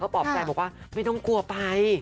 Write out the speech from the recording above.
ปลอบใจบอกว่าไม่ต้องกลัวไป